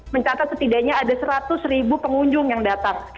mencatat setidaknya ada seratus ribu pengunjung yang datang